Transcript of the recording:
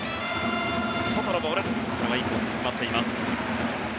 外のボール、これはいいコースに決まっています。